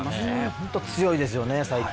本当に強いですよね、最近。